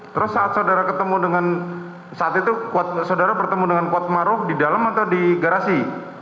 terus saat itu saudara ketemu dengan kuat ma'ruf di dalam atau di garasi